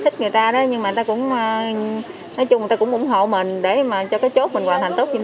thích người ta đó nhưng mà người ta cũng ủng hộ mình để cho cái chốt mình hoàn thành tốt nhiệm